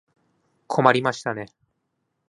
困りましたね。